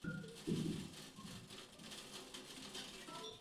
查尔斯城县位美国维吉尼亚州东部的一个县。